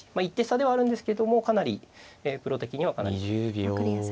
一手差ではあるんですけどもかなりプロ的にはかなり。